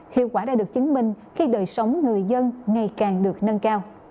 hiệu quả đã được chứng minh khi đời sống người dân ngày càng được nâng cao